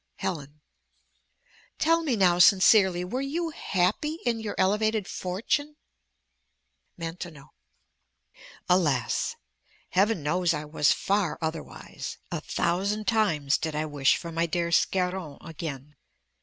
Helen Tell me now sincerely, were you happy in your elevated fortune? Maintenon Alas! Heaven knows I was far otherwise: a thousand times did I wish for my dear Scarron again.